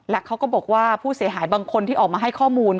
และเขาก็บอกว่าผู้เสียหายบางคนที่ออกมาให้ข้อมูล